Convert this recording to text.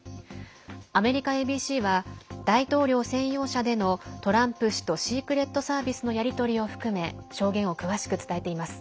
アメリカＡＢＣは大統領専用車でのトランプ氏とシークレットサービスのやり取りを含め証言を詳しく伝えています。